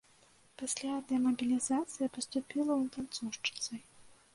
Пасля дэмабілізацыі, паступіла ў танцоўшчыцай.